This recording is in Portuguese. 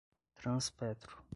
Transpetro